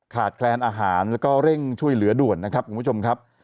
แคลนอาหารแล้วก็เร่งช่วยเหลือด่วนนะครับคุณผู้ชมครับ